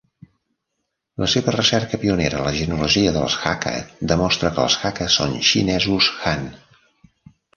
La seva recerca pionera a la genealogia dels Hakka demostra que els Hakka són xinesos Han.